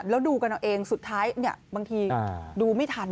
แล้วดูกันเอาเองสุดท้ายบางทีดูไม่ทัน